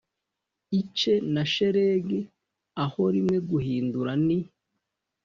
ice na shelegi, aho rimwe guhindura ni,